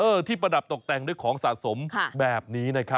ที่ประดับตกแต่งด้วยของสะสมแบบนี้นะครับ